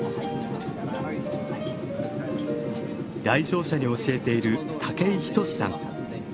来場者に教えている武井仁さん。